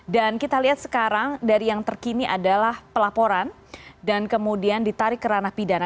dan kita lihat sekarang dari yang terkini adalah pelaporan dan kemudian ditarik ke ranah pidana